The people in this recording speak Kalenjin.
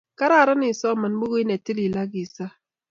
Kararan isoman bukuit ne tilil ak isa